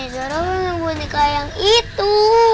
bih zara beli bunik kayak yang itu